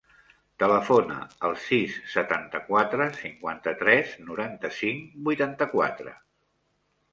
Telefona al sis, setanta-quatre, cinquanta-tres, noranta-cinc, vuitanta-quatre.